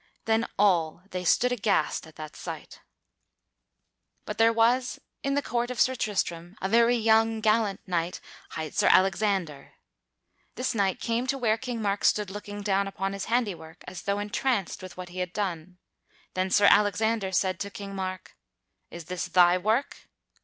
Then all they stood aghast at that sight. [Sidenote: Sir Alexander slays King Mark] But there was in the court of Sir Tristram a very young, gallant knight hight Sir Alexander. This knight came to where King Mark stood looking down upon his handiwork as though entranced with what he had done. Then Sir Alexander said to King Mark, "Is this thy work?"